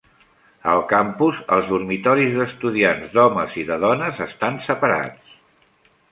Al campus els dormitoris d'estudiants d'homes i de dones estan separats.